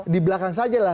di belakang saja lah